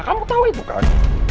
kamu tahu itu kan